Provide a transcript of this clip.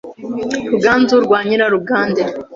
Ruganzu rwa Nyirarugande